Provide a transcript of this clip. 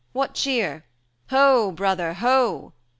what cheer? Ho! brother, ho!"